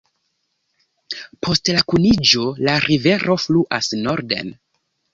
Post la kuniĝo la rivero fluas norden.